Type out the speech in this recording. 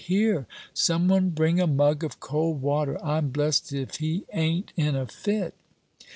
Here, some one bring a mug of cold water: I'm blest if he ain't in a fit!"